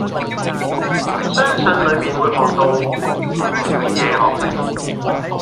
相信裡面會學到唔少嘢學。